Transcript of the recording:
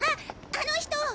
あの人！